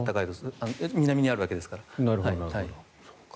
南にあるわけですから。